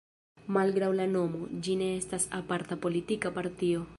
Malgraŭ la nomo, ĝi ne estas aparta politika partio.